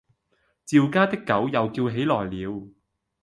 趙家的狗又叫起來了。